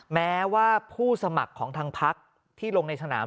แม้ว่าผู้สมัครของทางพักที่ลงในสนาม